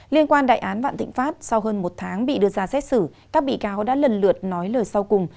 liên quan đại án vạn thịnh pháp sau hơn một tháng bị đưa ra xét xử các bị cáo đã lần lượt nói lời sau cùng